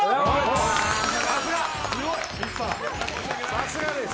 さすがです